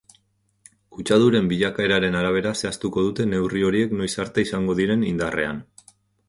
Kutsaduren bilakaeraren arabera zehaztuko dute neurri horiek noiz arte izango diren indarrean.